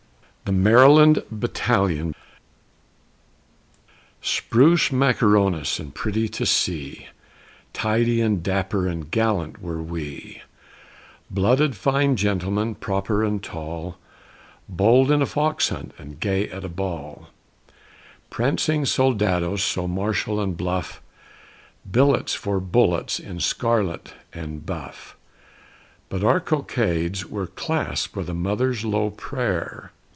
THE MARYLAND BATTALION [August 27, 1776] Spruce Macaronis, and pretty to see, Tidy and dapper and gallant were we; Blooded fine gentlemen, proper and tall, Bold in a fox hunt and gay at a ball; Prancing soldados, so martial and bluff, Billets for bullets, in scarlet and buff But our cockades were clasped with a mother's low prayer.